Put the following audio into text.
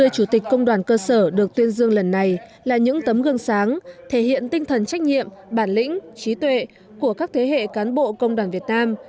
năm mươi chủ tịch công đoàn cơ sở được tuyên dương lần này là những tấm gương sáng thể hiện tinh thần trách nhiệm bản lĩnh trí tuệ của các thế hệ cán bộ công đoàn việt nam